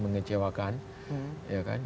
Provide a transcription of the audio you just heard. mengecewakan ya kan